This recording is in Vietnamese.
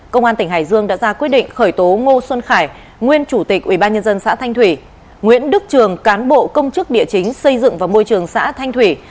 công an tỉnh hải dương đã ra quyết định khởi tố ngô xuân khải nguyên chủ tịch ubnd xã thanh thủy nguyễn đức trường cán bộ công chức địa chính xây dựng và môi trường xã thanh thủy